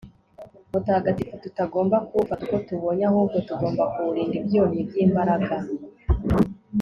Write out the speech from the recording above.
mutagatifu, tutagomba kuwufata uko tubonye, ahubwo tugomba kuwurinda ibyonnyi by'imbaraga